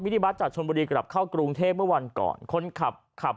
นิบัสจากชนบุรีกลับเข้ากรุงเทพเมื่อวันก่อนคนขับขับ